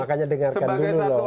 makanya dengarkan dulu loh